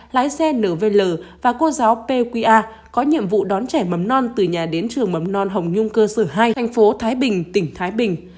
lái xe nvl và cô giáo pqa có nhiệm vụ đón trẻ mầm non từ nhà đến trường mầm non hồng nhung cơ sở hai thành phố thái bình tỉnh thái bình